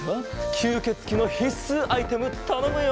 きゅうけつきのひっすアイテムたのむよ。